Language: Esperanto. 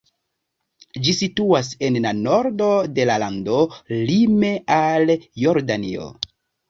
Ĝi situas en la nordo de la lando lime al Jordanio.